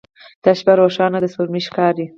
دا شپه روښانه ده سپوږمۍ ښکاري